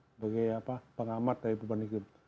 sebagai pengamat dari perubahan iklim